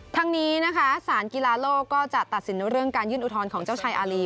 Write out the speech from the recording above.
ทั้งนี้นะคะสารกีฬาโลกก็จะตัดสินในเรื่องการยื่นอุทธรณ์ของเจ้าชายอารี